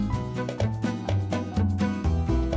terima kasih bu